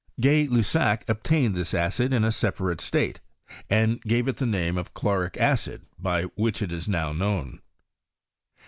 Gay Lussac obtained this acid in a separate state, and gave it the name of cfc/oric acid, by which it is now known.